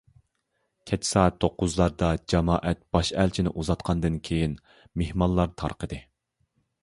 كەچ سائەت توققۇزلاردا جامائەت باش ئەلچىنى ئۇزاتقاندىن كېيىن، مېھمانلار تارقىدى.